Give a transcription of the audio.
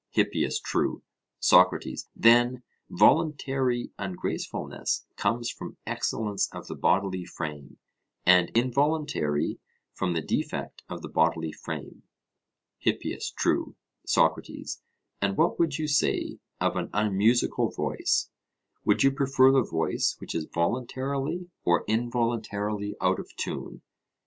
HIPPIAS: True. SOCRATES: Then voluntary ungracefulness comes from excellence of the bodily frame, and involuntary from the defect of the bodily frame? HIPPIAS: True. SOCRATES: And what would you say of an unmusical voice; would you prefer the voice which is voluntarily or involuntarily out of tune?